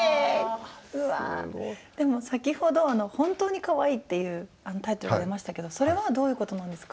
でも先ほど「本当にかわいい！？」っていうタイトルが出ましたけどそれはどういうことなんですか？